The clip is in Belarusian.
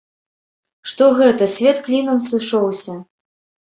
Што гэта, свет клінам сышоўся.